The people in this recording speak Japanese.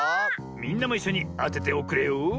みんなもいっしょにあてておくれよ。